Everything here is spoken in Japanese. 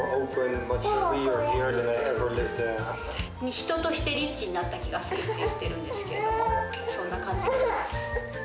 人としてリッチになった気がするって言ってるんですけど、そんな感じがします。